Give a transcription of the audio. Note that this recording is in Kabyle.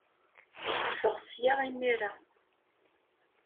Ffeɣ seg-a imir-a.